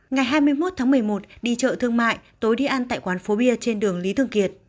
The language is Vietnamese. ngày hai mươi một tháng một mươi một đi chợ thương mại tối đi ăn tại quán phố bia trên đường lý thường kiệt